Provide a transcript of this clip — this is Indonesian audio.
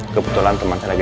kebetulan teman saya lagi